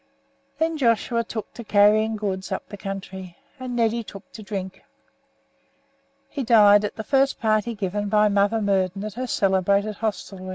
Then Joshua took to carrying goods up the country, and Neddy took to drink. He died at the first party given by Mother Murden at her celebrated hostelry.